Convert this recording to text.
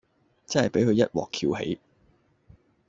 真係俾佢一鑊蹺起